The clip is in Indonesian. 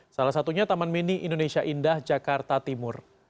salah satunya taman mini indonesia indah jakarta timur